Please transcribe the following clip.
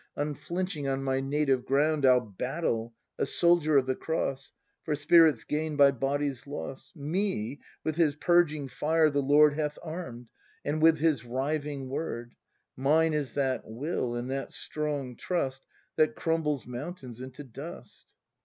Unflinching, on my native ground I'll battle, a soldier of the Cross, For Spirit's gain by Body's loss! Me with His purging fire the Lord Hath arm'd, and with His riving Word: Mine is that Will and that strong Trust That crumbles mountains into dust!